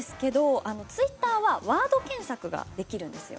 ツイッターはワード検索ができるんですよ。